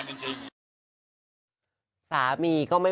๔ทุ่มก็นอนได้